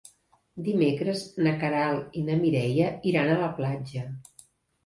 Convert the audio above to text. Dimecres na Queralt i na Mireia iran a la platja.